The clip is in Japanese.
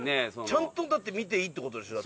ちゃんとだって見ていいって事でしょ？